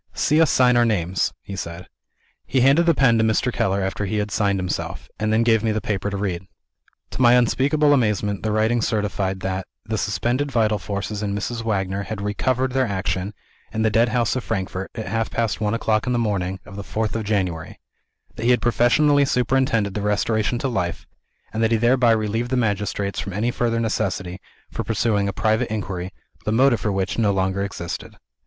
"See us sign our names," he said. He handed the pen to Mr. Keller after he had signed himself and then gave me the paper to read. To my unspeakable amazement, the writing certified that, "the suspended vital forces in Mrs. Wagner had recovered their action, in the Deadhouse of Frankfort, at half past one o'clock on the morning of the fourth of January; that he had professionally superintended the restoration to life; and that he thereby relieved the magistrates from any further necessity for pursuing a private inquiry, the motive for which no longer existed."